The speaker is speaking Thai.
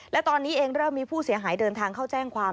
และตอนนี้เองเริ่มมีผู้เสียหายเดินทางเข้าแจ้งความ